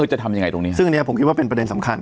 จะทำยังไงตรงนี้ซึ่งอันนี้ผมคิดว่าเป็นประเด็นสำคัญ